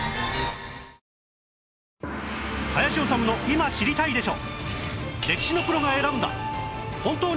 『林修の今知りたいでしょ！』